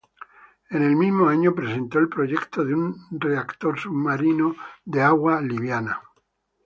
En el mismo año, presentó el proyecto de un reactor submarino de a"gua liviana".